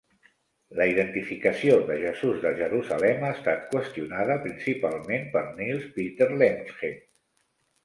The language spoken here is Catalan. La identificació de Jesús de Jerusalem ha estat qüestionada, principalment, per Niels Peter Lemche.